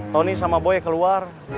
tony sama boy keluar